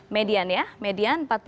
median ya median empat puluh tujuh